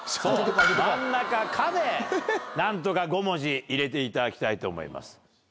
真ん中「か」で何とか５文字入れていただきたいと思います。